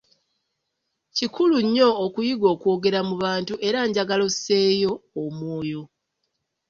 Kikulu nnyo okuyiga okwogera mu bantu era njagala osseeyo omwoyo.